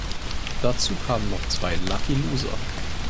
Dazu kamen noch zwei Lucky Loser.